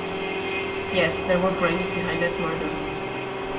Yes, there were brains behind that murder.